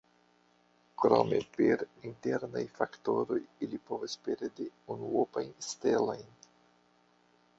Krome per internaj faktoroj ili povas perdi unuopajn stelojn.